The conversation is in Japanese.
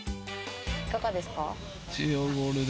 いかがですか？